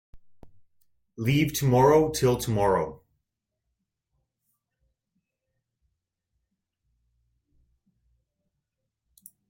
Leave tomorrow till tomorrow.